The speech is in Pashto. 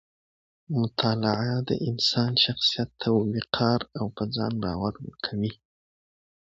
مطالعه د انسان شخصیت ته وقار او په ځان باور ورکوي.